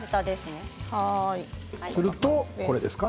すると、これですか？